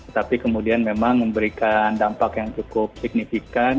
tapi kemudian memang memberikan dampak yang cukup signifikan